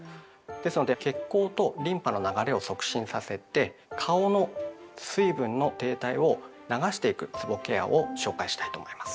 ですので血行とリンパの流れを促進させて顔の水分の停滞を流していくつぼケアを紹介したいと思います。